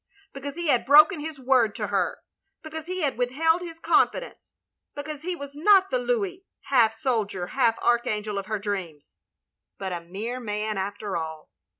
Because he had broken his word to her, because he had withheld his confidence, because he was not the Louis — ^half soldier, half archangel of her dreams; but a mere man after all.